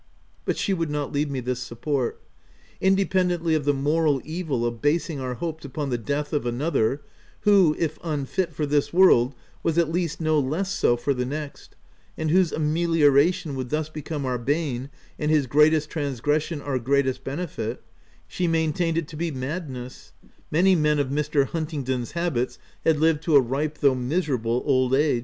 But she would not leave me this support. Independently of the moral evil of basing our hopes upon the death of another, who, if unfit for this world, was at least no less so for the next, and whose amelioration would thus become our bane and his greatest transgression our greatest benefit,— she maintained it to be mad ness : many men of Mr. Huntingdon's habits had lived to a ripe though miserable old age ;— VOL.